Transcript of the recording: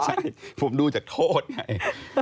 ใช่ผมดูจากโทษไง